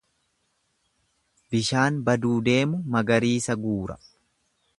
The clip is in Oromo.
Bishaan baduu deemu magariisa guura.